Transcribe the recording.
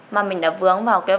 mà mình đã vướng vào kết hôn sớm